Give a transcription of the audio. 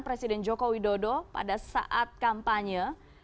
presiden joko widodo pada saat kampanye